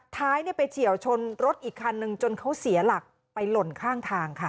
ท้ายไปเฉียวชนรถอีกคันนึงจนเขาเสียหลักไปหล่นข้างทางค่ะ